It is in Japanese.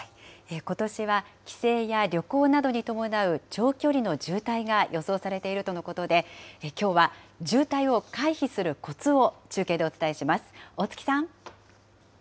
ことしは、帰省や旅行などに伴う長距離の渋滞が予想されているとのことで、きょうは渋滞を回避するコツを中継でお伝えします。